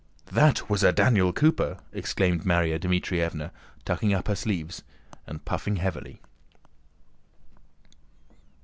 "That was a Daniel Cooper!" exclaimed Márya Dmítrievna, tucking up her sleeves and puffing heavily.